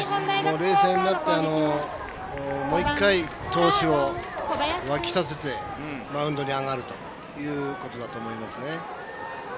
冷静になってもう一回、闘志を湧き立ててマウンドに上がるということだと思いますね。